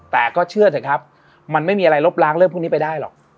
แต่ก็เชื่อเถอะครับมันไม่มีอะไรลบล้างเรื่องพวกนี้ไปได้หรอก